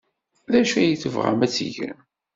D acu ay tebɣam ad t-tgem?